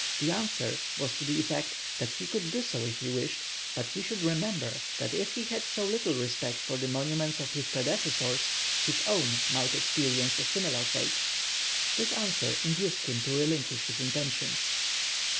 The answer was to the effect, that he could do so if he wished, but he should remember, that if he had so little respect for the monuments of his predecessors, his own might experience a similar fate. This answer induced him to relinquish his intentions.